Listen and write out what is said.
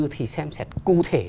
thì xem xét cụ thể